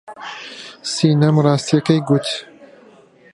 سینەم ڕاستییەکەی گوت.